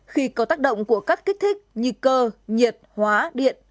khi có tác động của các kích thích như cơ nhiệt hóa điện